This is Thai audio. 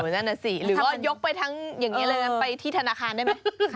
นั่นน่ะสิหรือว่ายกไปทั้งอย่างนี้เลยนะไปที่ธนาคารได้ไหม